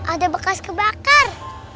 ada bekas kebakar